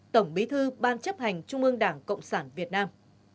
tổng bí thư ban chấp hành trung ương đảng cộng sản việt nam